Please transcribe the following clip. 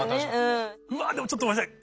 うわっでもちょっとごめんなさい。